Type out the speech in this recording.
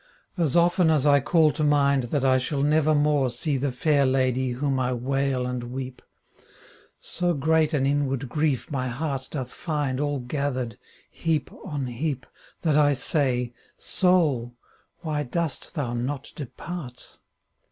as often as I call to mind That I shall never more See the fair Lady whom I wail and weep, So great an inward grief my heart doth find All gathered, heap on heap, " That I say, " Soul, why dost thou not depart